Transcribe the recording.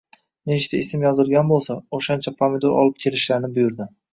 Nechta ism yozilgan bo‘lsa, o‘shancha pomidor olib kelishlarini buyurdi